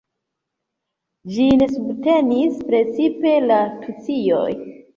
Ĝin subtenis precipe la tucioj.